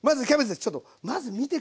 ちょっとまず見て下さいよ。